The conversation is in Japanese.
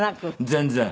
全然。